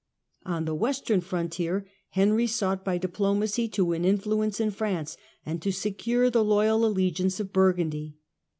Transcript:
On the western frontier, Henry sought by diplomacy to win influence in France and to secure the loyal allegiance of Burgundy.